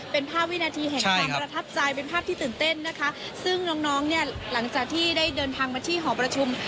เป็นภาพวินาทีแห่งความประทับใจเป็นภาพที่ตื่นเต้นนะคะซึ่งน้องน้องเนี่ยหลังจากที่ได้เดินทางมาที่หอประชุม